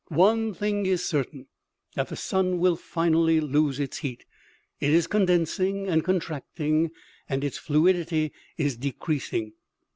" One thing is certain, that the sun will finally lose its heat ; it is condensing and contracting, and its fluidity is decreasing.